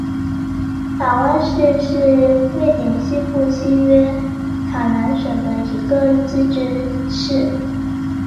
瓦拉市是瑞典西部西约塔兰省的一个自治市。